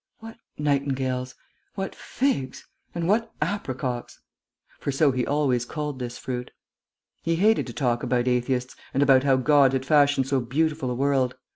"What nightingales! What figs! And what apricocks!" (for so he always called this fruit). He hated to talk about atheists, and about how God had fashioned so beautiful a world.